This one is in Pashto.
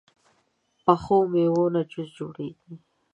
پخو میوو نه جوس جوړېږي